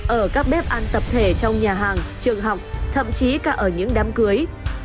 ở các bếp ăn tập thể trong nhà hàng trường học thậm chí cả ở những đám cưới